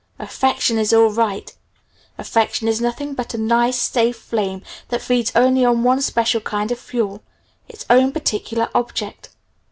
Affection is all right. Affection is nothing but a nice, safe flame that feeds only on one special kind of fuel, its own particular object.